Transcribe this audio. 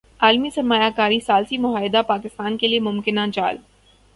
عالمی سرمایہ کاری ثالثی معاہدہ پاکستان کیلئے ممکنہ جال